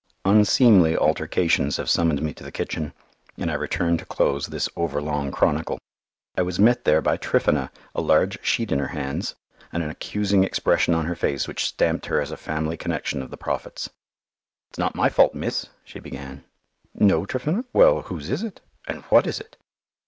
Unseemly altercations have summoned me to the kitchen, and I return to close this over long chronicle. I was met there by Tryphena, a large sheet in her hands, and an accusing expression on her face which stamped her as a family connection of the Prophet's. "It's not my fault, miss," she began. "No, Tryphena? Well, whose is it, and what is it?"